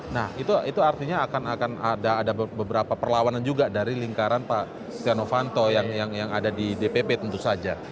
nah itu artinya akan ada beberapa perlawanan juga dari lingkaran pak setia novanto yang ada di dpp tentu saja